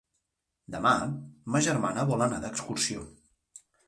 Demà ma germana vol anar d'excursió.